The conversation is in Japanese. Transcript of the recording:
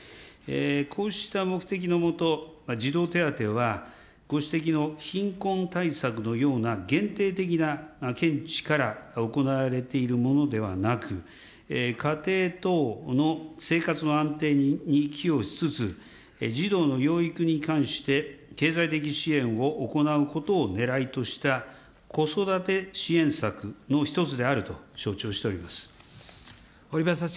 こうした目的のもと、児童手当はご指摘の貧困対策のような限定的な見地から行われているものではなく、家庭等の生活の安定に寄与しつつ、児童の養育に関して経済的支援を行うことをねらいとした、子育て支援策の一つであると承知をしております。